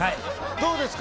どうですか？